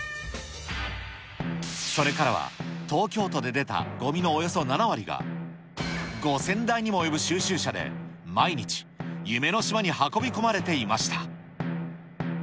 それからは、東京都で出たごみのおよそ７割が、５０００台にも及ぶ収集車で毎日、夢の島に運び込まれていました。